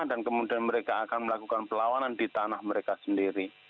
dan kemudian mereka akan melakukan pelawanan di tanah mereka sendiri